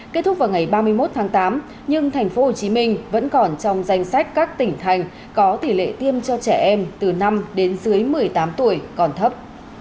kết thúc vào ngày ba mươi một tháng tám nhưng tp hcm vẫn còn trong danh sách các tỉnh thành có tỷ lệ tiêm cho trẻ em từ năm đến dưới một mươi tám tuổi còn thấp